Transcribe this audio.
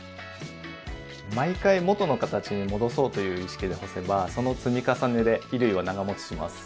毎回元の形に戻そうという意識で干せばその積み重ねで衣類は長もちします。